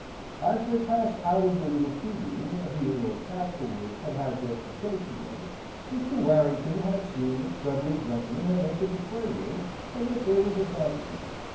As they passed out of the little tea room where he and Lord Castlewood had had their piquet together, Mr. Warrington had seen that several gentlemen had entered the play room, and that there was a bank there.